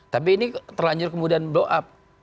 tapi ini terlanjur kemudian blow up